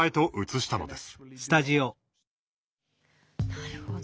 なるほど。